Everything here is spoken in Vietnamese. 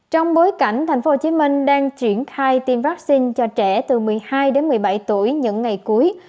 trong bối cảnh tp hcm đang triển khai tiêm vaccine cho trẻ từ một mươi hai đến một mươi bảy tuổi những ngày cuối